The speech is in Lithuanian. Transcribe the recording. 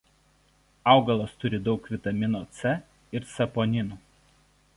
Augalas turi daug vitamino C ir saponinų.